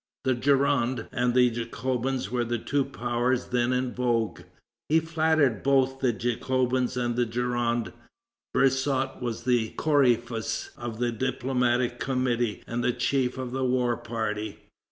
The Gironde and the Jacobins were the two powers then in vogue; he flattered both the Jacobins and the Gironde. Brissot was the corypheus of the diplomatic committee and the chief of the war party.